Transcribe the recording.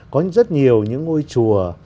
có rất nhiều những ngôi chùa